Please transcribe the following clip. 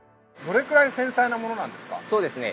そうですね。